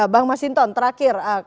bang mas hinton terakhir